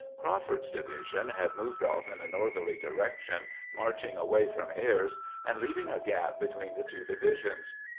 Crawford's division had moved off in a' northerly direction, marching away from Ayres, and leaving a gap between the two divisions.